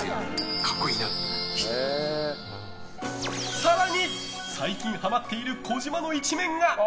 更に、最近ハマっている児嶋の一面が。